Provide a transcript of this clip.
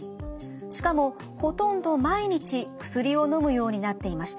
しかもほとんど毎日薬をのむようになっていました。